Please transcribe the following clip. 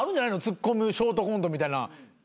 ツッコむショートコントみたいな。